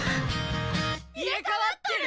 入れ替わっとる！？